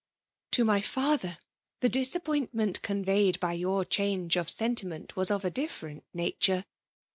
'' To my father, the disappointment conveyed by your change of sentiment was of a different nature.